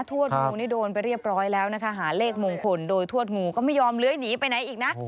วดงูนี่โดนไปเรียบร้อยแล้วนะคะหาเลขมงคลโดยทวดงูก็ไม่ยอมเลื้อยหนีไปไหนอีกนะ